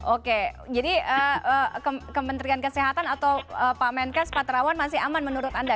oke jadi kementerian kesehatan atau pak menkes pak terawan masih aman menurut anda